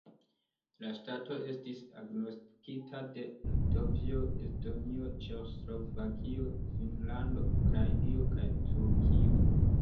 La ŝtato estis agnoskita de Litovio, Estonio, Ĉeĥoslovakio, Finnlando, Ukrainio kaj Turkio.